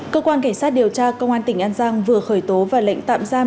cơ quan cảnh sát điều tra công an tỉnh an giang vừa khởi tố và lệnh tạm giam